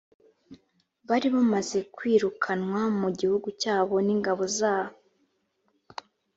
bari bamaze kwirukanwa mu gihugu cyabo n ingabo za